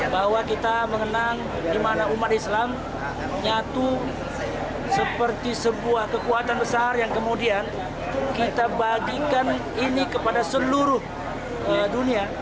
bahwa kita mengenang di mana umat islam nyatu seperti sebuah kekuatan besar yang kemudian kita bagikan ini kepada seluruh dunia